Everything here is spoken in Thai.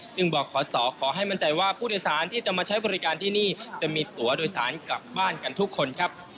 ซึ่งบอกขอสอขอให้มั่นใจว่าผู้โดยสารที่จะมาใช้บริการที่นี่จะมีตัวโดยสารกลับบ้านกันทุกคนครับ